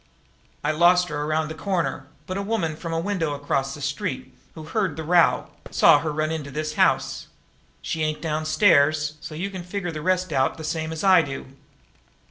"I lost her around the corner, but a woman from a window across the street, who heard the row, saw her run into this house. She ain't downstairs so you can figure the rest out the same way I do."